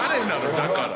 だから。